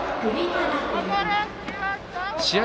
試合